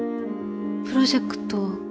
プロジェクト。